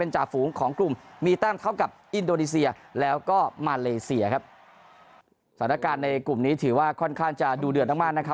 จ่าฝูงของกลุ่มมีแต้มเท่ากับอินโดนีเซียแล้วก็มาเลเซียครับสถานการณ์ในกลุ่มนี้ถือว่าค่อนข้างจะดูเดือดมากมากนะครับ